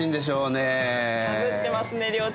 かぶってますね領地が。